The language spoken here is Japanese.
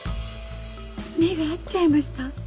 目が合っちゃいました。